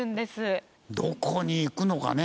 どこに行くのかね？